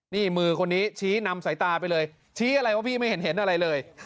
นี่มือคนนี้ชี้นำสายตาไปเลยชี้อะไรว่าพี่ไม่เห็นเห็นอะไรเลย